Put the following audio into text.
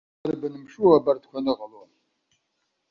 Иарбан мшу абарҭқәа аныҟало?